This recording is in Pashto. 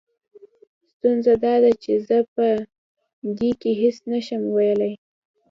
ستونزه دا ده چې زه په دې کې هېڅ نه شم ويلې.